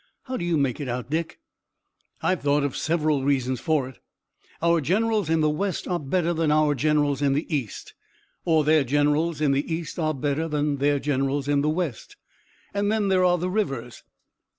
How do you make it out, Dick?" "I've thought of several reasons for it. Our generals in the West are better than our generals in the East, or their generals in the East are better than their generals in the West. And then there are the rivers.